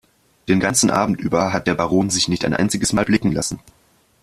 Den ganzen Abend über hat der Baron sich nicht ein einziges Mal blicken lassen.